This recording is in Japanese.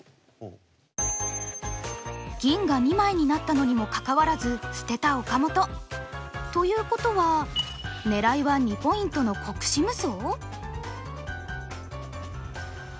銀が２枚になったのにもかかわらず捨てた岡本。ということは狙いは２ポイントの国士無双？